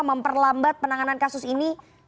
memperlambat penanganan kasus ini